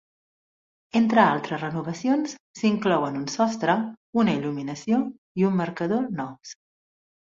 Entre altres renovacions, s'inclouen un sostre, una il·luminació i un marcador nous.